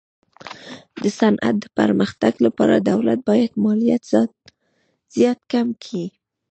د صنعت د پرمختګ لپاره دولت باید مالیات زیات کم کي.